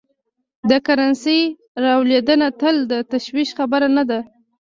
د کرنسۍ رالوېدنه تل د تشویش خبره نه ده.